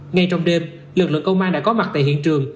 ngay trong đêm lực lượng công an đã có mặt tại hiện trường